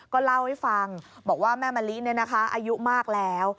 ก็เล่าให้ฟังบอกว่าแม่มะลิอายุมากแล้ว